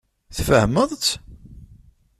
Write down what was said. Tfehmeḍ-tt?